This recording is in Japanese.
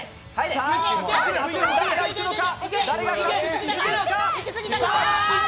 誰が行くのか！